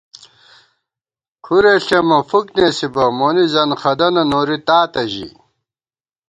کُھرےݪېمہ فُک نېسِبہ مونی زنخدَنہ نوری تاتہ ژِی